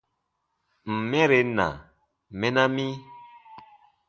Ǹ n mɛren na, mɛna mi.